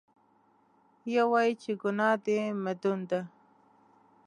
یو وایي چې ګناه د مدون ده.